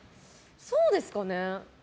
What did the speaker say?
そうですかね。